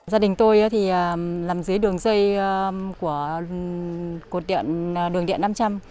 gia đình tôi làm dưới đường dây của đường điện năm trăm linh